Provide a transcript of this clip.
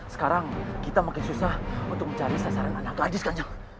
sekarang kita makin susah untuk mencari sasaran anak gaji sekarang